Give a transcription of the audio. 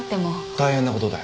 大変なことだよ。